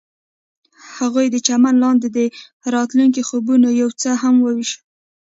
هغوی د چمن لاندې د راتلونکي خوبونه یوځای هم وویشل.